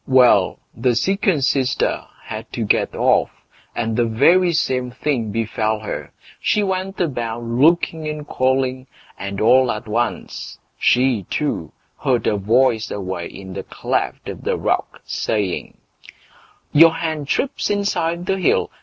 Well! the second sister had to get off, and the very same thing befell her; she went about looking and calling, and all at once she too heard a voice away in the cleft of the rock saying: Your hen trips inside the hill!